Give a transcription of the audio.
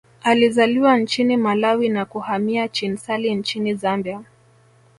Alizaliwa nchini Malawi na kuhamia Chinsali nchini Zambia